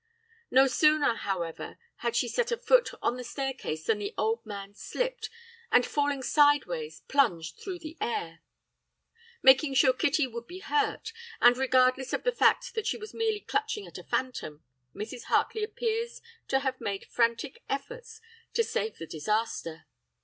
No sooner, however, had she set a foot on the staircase than the old man slipped, and, falling sideways, plunged through the air. "Making sure Kitty would be hurt, and regardless of the fact that she was merely clutching at a phantom, Mrs. Hartley appears to have made frantic efforts to stay the disaster.